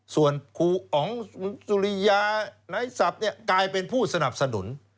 ส่วนครูอ๋องสุริยานายศัพท์เนี่ยกลายเป็นผู้สนับสนุน